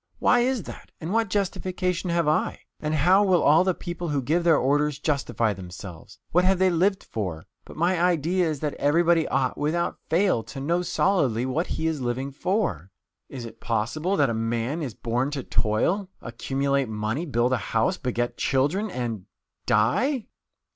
Why is that? And what justification have I? And how will all the people who give their orders justify themselves? What have they lived for? But my idea is that everybody ought, without fail, to know solidly what he is living for. Is it possible that a man is born to toil, accumulate money, build a house, beget children, and die?